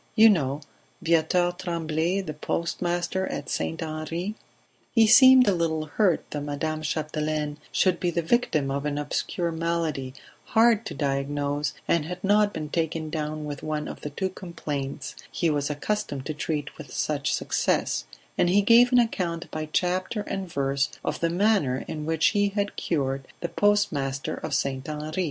You know Viateur Tremblay, the postmaster at St. Henri ..." He seemed a little hurt that Madame Chapdelaine should be the victim of an obscure malady, hard to diagnose, and had not been taken down with one of the two complaints he was accustomed to treat with such success, and he gave an account by chapter and verse of the manner in which he had cured the postmaster of St. Henri.